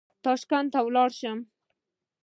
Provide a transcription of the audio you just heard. تاشکند ته ولاړ شم.